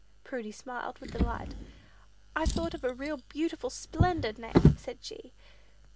Prudy smiled with delight. "I've thought of a real beautiful, splendid name," said she.